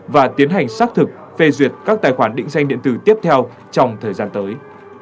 và tiến hành xác thực phê duyệt các tài khoản định danh điện tử tiếp theo trong thời gian tới